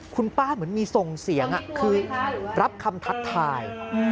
คุณป้าเหมือนมีส่งเสียงคือรับคำทักทาย